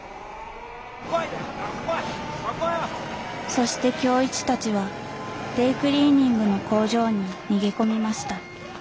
そして今日一たちはデイクリーニングの工場に逃げ込みました。